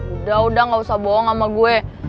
udah udah gak usah bohong sama gue